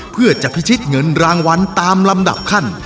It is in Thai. เพื่อจะพิชิตเงินรางวัลตามลำดับขั้น